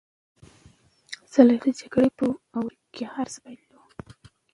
زلیخا د جګړې په اور کې هر څه بایللي وو.